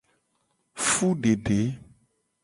Fudede.